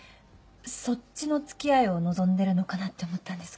そっちの付き合いを望んでるのかなって思ったんですが。